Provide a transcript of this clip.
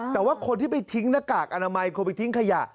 แต่ว่าคนที่ไปทิ้งหน้ากากอนามัยคนไปทิ้งขยะ